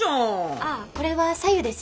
ああこれは白湯です。